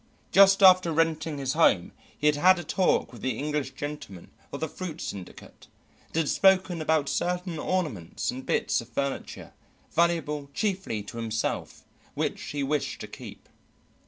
Just after renting his home he had had a talk with the English gentleman of the fruit syndicate and had spoken about certain ornaments and bits of furniture, valuable chiefly to himself, which he wished to keep.